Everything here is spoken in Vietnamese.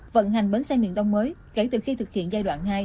vận hành bến xe miền đông mới kể từ khi thực hiện giai đoạn hai